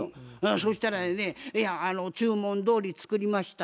そしたらやね「注文どおり作りました。